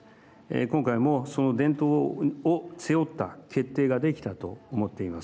今回もその伝統を背負った決定ができたと思っています。